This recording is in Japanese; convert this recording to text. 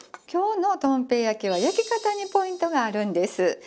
今日の豚平焼きは焼き方にポイントがあるんです。